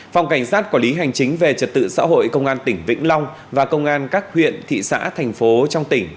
phòng cảnh sát quản lý hành chính về trật tự xã hội công an tỉnh vĩnh long và công an các huyện thị xã thành phố trong tỉnh